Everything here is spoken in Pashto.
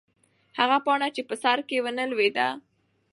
هغه پاڼه چې په سر کې وه نه لوېده.